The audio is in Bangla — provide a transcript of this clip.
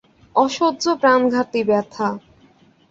অসহ্য প্রাণঘাতী ব্যথা।